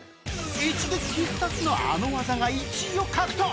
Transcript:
一撃必殺のあの技が１位を獲得